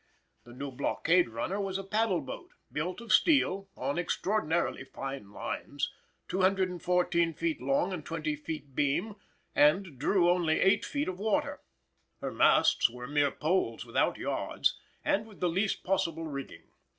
The new blockade runner was a paddle boat, built of steel, on extraordinarily fine lines, 214 feet long and 20 feet beam, and drew only 8 feet of water. Her masts were mere poles without yards, and with the least possible rigging.